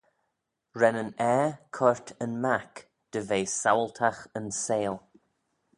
Ren yn Ayr coyrt yn Mac dy ve Saualtagh yn seihll.